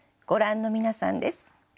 ご覧の皆さんです。